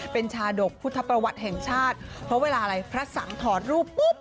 เป็นชาดกพุทธประวัติแห่งชาติเพราะเวลาอะไรพระสังถอดรูปปุ๊บ